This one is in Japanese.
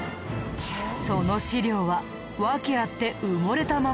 その史料は訳あって埋もれたままだったんだ。